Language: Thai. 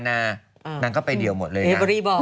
นางก็ไปเดียวหมดเลย